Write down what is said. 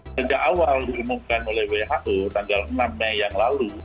sejak awal diumumkan oleh who tanggal enam mei yang lalu